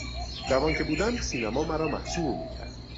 جوان که بودم سینما مرا مسحور میکرد.